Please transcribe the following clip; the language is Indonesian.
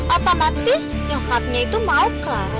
otomatis nyokapnya itu mau clara tuh sama boy